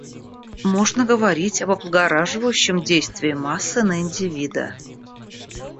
Можно говорить об облагораживающем действии массы на индивида.